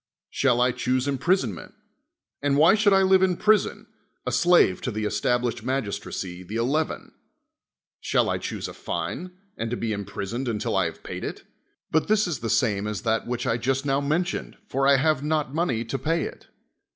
Shall I choose imprisonment? And why should I live in prison, a slave to the established mag istracy, the Eleven? Shall 1 choose a fine, and to be imprisoned until I have paid it? But this is the same as that which I just now mentioned, for I have not money to pay it.